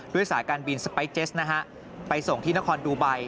ด้วยสายการบินสไปร์เจสไปส่งที่นครดูไบล์